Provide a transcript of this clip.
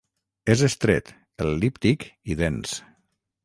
És estret, el·líptic i dens.